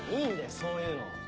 そういうの。